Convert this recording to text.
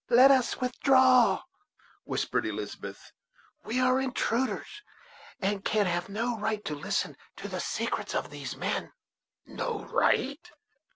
"Let us withdraw," whispered Elizabeth; "we are intruders, and can have no right to listen to the secrets of these men." "No right!"